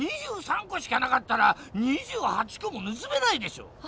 ２３こしかなかったら２８こもぬすめないでしょ！